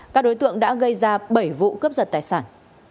các đối tượng đã gây ra bảy vụ cướp giật tài sản